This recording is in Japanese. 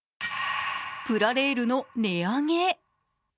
プラレールの値上げ。